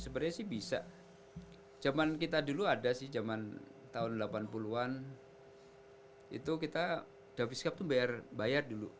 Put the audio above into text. sebenarnya sih bisa jaman kita dulu ada sih jaman tahun delapan puluh an itu kita dafiskap tuh bayar dulu